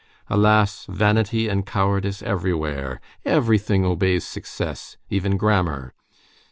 Alas, vanity and cowardice everywhere. Everything obeys success, even grammar.